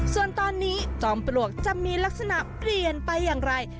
ส่วนตอนนี้จอมปลวกจะมีลักษณะเปลี่ยนไปอย่างไร